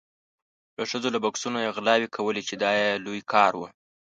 د ښځو له بکسونو یې غلاوې کولې چې دا یې لوی کار و.